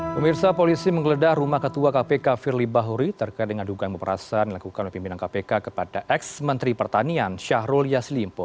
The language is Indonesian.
pemirsa polisi menggeledah rumah ketua kpk firly bahuri terkait dengan duga yang berperasaan dilakukan oleh pimpinan kpk kepada ex menteri pertanian syahrul yaslimpo